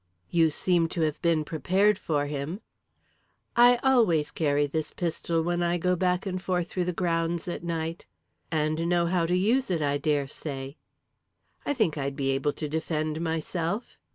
"You seem to have been prepared for him." "I always carry this pistol when I go back and forth through the grounds at night." "And know how to use it, I dare say." "I think I'd be able to defend myself."